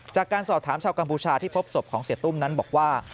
จากการสอบถามชาวกัมพูชาที่พบศพของเสียตุ้มนั้นบอกว่า